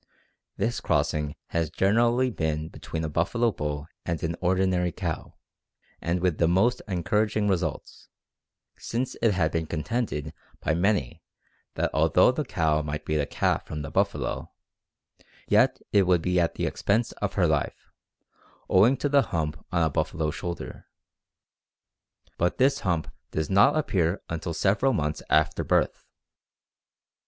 This crossing has generally been between a buffalo bull and an ordinary cow, and with the most encouraging results, since it had been contended by many that although the cow might breed a calf from the buffalo, yet it would be at the expense of her life, owing to the hump on a buffalo's shoulder; but this hump does not appear until several months after birth.